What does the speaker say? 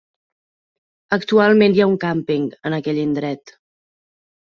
Actualment hi ha un càmping, en aquell indret.